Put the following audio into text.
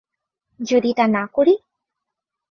যদি তা না করি?